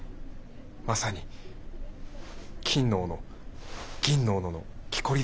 まさに「金の斧銀の斧」のきこりですね。